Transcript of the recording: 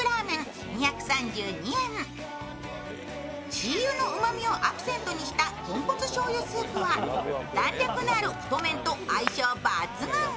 鶏油のうまみをアクセントにしたとんこつしょうゆスープは弾力のある太麺と相性抜群。